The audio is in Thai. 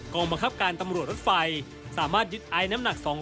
กองบังคับการตำรวจรถไฟสามารถยึดอายน้ำหนัก๒๐๐ยินดี